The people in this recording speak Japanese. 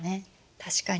確かに。